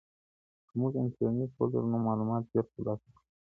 که موږ انټرنیټ ولرو نو معلومات ژر ترلاسه کوو.